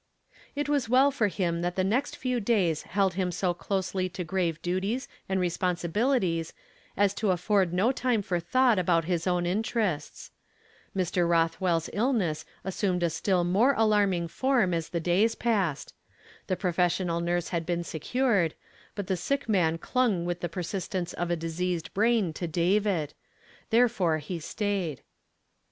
It was well for him that the next few days held him so closely to grave duties and responsibilities as to afford no time for thought about his own interests. ^Av, Roth'.vpH'.H illness assumed a still more alarming form as the days passed ; the pro lll 278 YESTERDAY FRAMED IN TO DAY. fessional nurse had been secured, but the sick iiiaii clung with the persistennf of a diseased brain to David ; therefore he stayed.